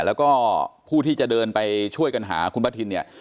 แล้วก็ผู้ที่จะเดินไปช่วยกันหาคุณป้าทินเนี่ย